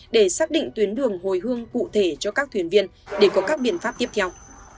để xác định tuyến đường hồi hương cụ thể cho các thuyền viên để có các biện pháp tiếp theo